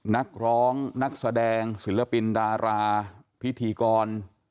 นักร้องนักแสดงศิลปินดาราพิธีกร